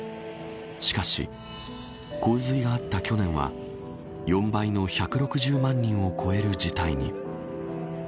しかし、洪水があった去年は４倍の１６０万人を超える事態に。